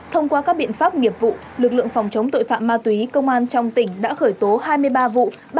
thông qua các biện pháp nghiệp vụ lực lượng phòng chống tội phạm ma túy công an trong tỉnh đã khởi tố hai mươi ba vụ